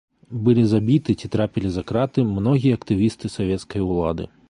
Былі забіты ці трапілі за краты многія актывісты савецкай улады.